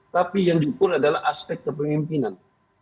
tapi yang diukur adalah aspek kepemimpinan